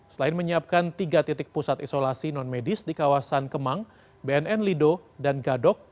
selain menyiapkan tiga titik pusat isolasi non medis di kawasan kemang bnn lido dan gadok